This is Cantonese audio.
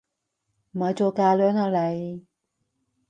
咪做架樑啦你！